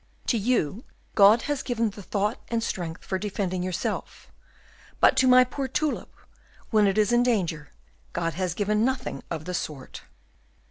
To you God has given the thought and strength for defending yourself; but to my poor tulip, when it is in danger, God has given nothing of the sort."